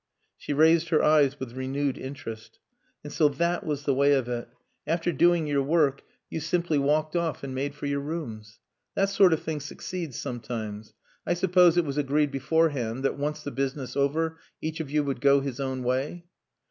She raised her eyes with renewed interest. "And so that was the way of it. After doing your work you simply walked off and made for your rooms. That sort of thing succeeds sometimes. I suppose it was agreed beforehand that, once the business over, each of you would go his own way?"